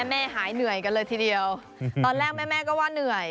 แม่หายเหนื่อยกันเลยทีเดียวตอนแรกแม่ก็ว่าเหนื่อย